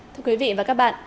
thưa quý vị và các bạn